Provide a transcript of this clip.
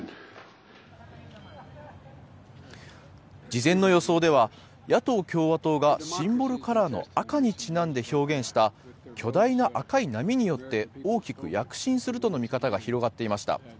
事前の予想では野党・共和党がシンボルカラーの赤にちなんで表現した巨大な赤い波によって大きく躍進するとの見方が広がっていました。